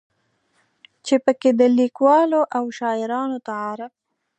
چې پکې د ليکوالو او شاعرانو تعارف